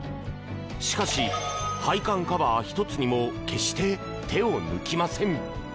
しかし、配管カバー１つにも決して手を抜きません。